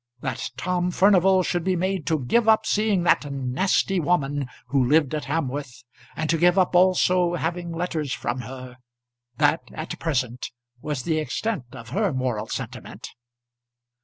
That Tom Furnival should be made to give up seeing that nasty woman who lived at Hamworth, and to give up also having letters from her, that at present was the extent of her moral sentiment.